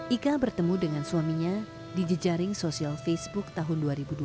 ika bertemu dengan suaminya di jejaring sosial facebook tahun dua ribu dua puluh